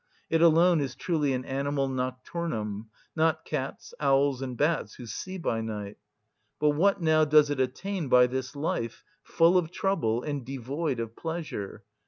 It alone is truly an animal nocturnum; not cats, owls, and bats, who see by night. But what, now, does it attain by this life, full of trouble and devoid of pleasure?